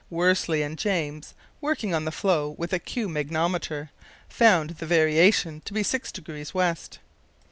Worsley and James, working on the floe with a Kew magnetometer, found the variation to be six degrees west."